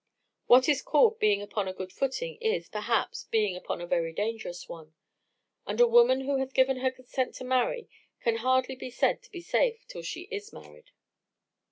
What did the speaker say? What is called being upon a good footing is, perhaps, being upon a very dangerous one; and a woman who hath given her consent to marry can hardly be said to be safe till she is married.